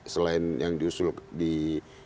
selain yang diusul di informasi dan pengetahuan